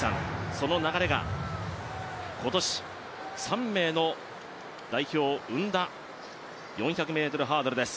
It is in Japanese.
その流れが今年、３名の代表を生んだ４００ｍハードルです。